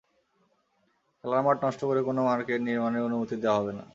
খেলার মাঠ নষ্ট করে কোনো মার্কেট নির্মাণের অনুমতি দেওয়া হবে না।